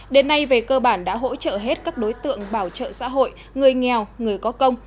đến nay về cơ bản đã hỗ trợ hết các đối tượng bảo trợ xã hội người nghèo người có công